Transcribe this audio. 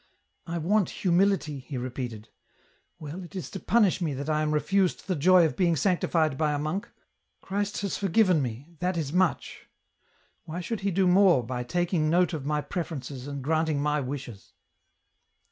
" I want humility," he repeated. " Well, it is to punish me that I am refused the joy of being sanctified by a monk. Christ has forgiven me, that is much. Why should He do more by taking note of my preferences and granting my wishes